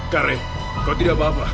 karen kau tidak apa apa